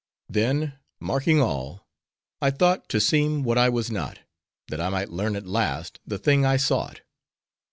Then, marking all, I thought to seem what I was not, that I might learn at last the thing I sought.